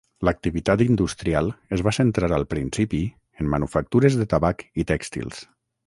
L'activitat industrial es va centrar al principi en manufactures de tabac i tèxtils.